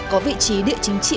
có vị trí địa chính trị